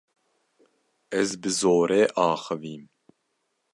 Ez bi zorê axivîm.